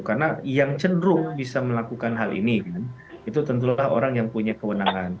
karena yang cenderung bisa melakukan hal ini itu tentulah orang yang punya kewenangan